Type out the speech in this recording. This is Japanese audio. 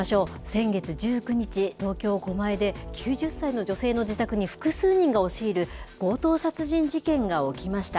先月１９日、東京・狛江で９０歳の女性の自宅に複数人が押し入る強盗殺人事件が起きました。